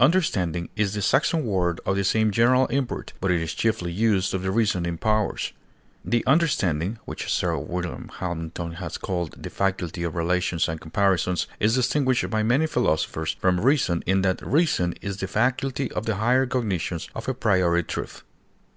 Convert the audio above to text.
Understanding is the Saxon word of the same general import, but is chiefly used of the reasoning powers; the understanding, which Sir Wm. Hamilton has called "the faculty of relations and comparisons," is distinguished by many philosophers from reason in that "reason is the faculty of the higher cognitions or a priori truth."